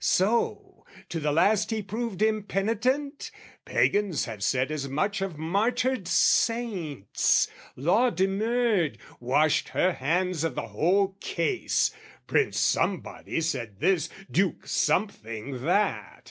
"So, to the last he proved impenitent? "Pagans have said as much of martyred saints! "Law demurred, washed her hands of the whole case. "Prince Somebody said this, Duke Something, that.